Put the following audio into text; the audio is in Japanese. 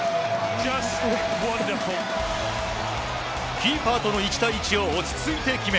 キーパーとの１対１を落ち着いて決め